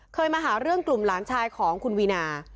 มาหาเรื่องกลุ่มหลานชายของคุณวีนา